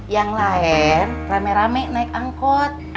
yang lain rame rame naik angkot